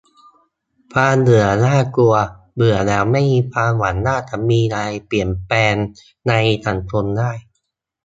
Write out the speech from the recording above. "ความเบื่อน่ากลัว เบื่อแล้วไม่มีความหวังว่าจะมีอะไรเปลี่ยนแปลงในสังคมได้"